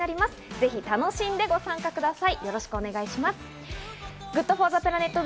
ぜひ楽しんでご参加ください。